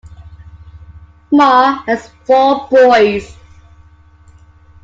Mohr has four boys.